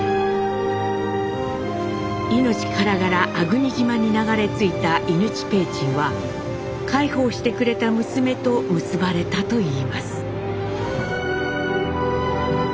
命からがら粟国島に流れ着いた伊貫親雲上は介抱してくれた娘と結ばれたといいます。